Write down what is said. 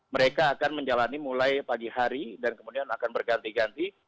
mereka akan menjalani mulai pagi hari dan kemudian akan berganti ganti